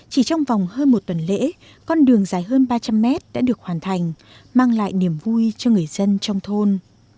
chỉ trong vòng hơn một tuần lễ con đường dài hơn ba trăm linh mét đã được hoàn thành mang lại niềm vui cho người dân trong thôn